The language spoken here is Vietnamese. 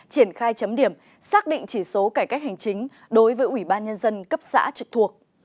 triển khai chấm điểm xác định chỉ số cải cách hành chính đối với ủy ban nhân dân cấp xã trực thuộc